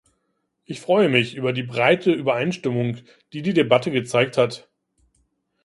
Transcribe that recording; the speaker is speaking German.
Ich freue mich über die breite Übereinstimmung, die die Debatte gezeigt hat.